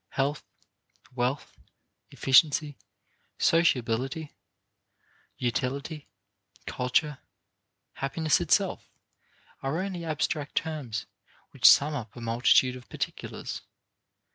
Health, wealth, efficiency, sociability, utility, culture, happiness itself are only abstract terms which sum up a multitude of particulars.